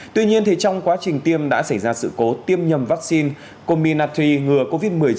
tuy nhiên trong quá trình tiêm đã xảy ra sự cố tiêm nhầm vaccine comin atri ngừa covid một mươi chín